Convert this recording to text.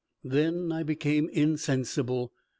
Then I became insensible.